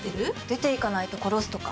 出ていかないと殺すとか。